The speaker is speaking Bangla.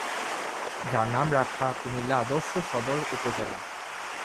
যার নাম রাখা কুমিল্লা আদর্শ সদর উপজেলা।